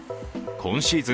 今シーズン